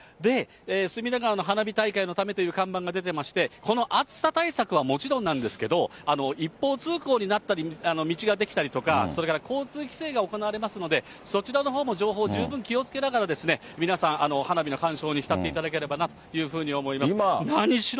隅田川の花火大会のためという看板が出てまして、この暑さ対策はもちろんなんですけど、一方通行になったり、道が出来たりとか、それから交通規制が行われますので、そちらのほうも情報十分気をつけながらですね、皆さん、花火の観賞にひたっていただければなと思います。